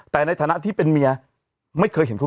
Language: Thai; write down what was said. แต่ในฐานะที่เป็นเมียไม่เคยเห็นเขา